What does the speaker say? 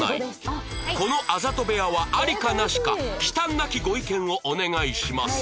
このあざと部屋はありかなしか忌憚なきご意見をお願いします